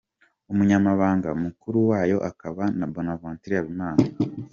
Umunyamabanga Mukuru wayo akaba Bonaventure Habimana.